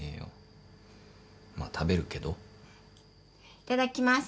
いただきます。